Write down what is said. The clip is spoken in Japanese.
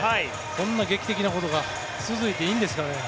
こんな劇的なことが続いていいんですかね。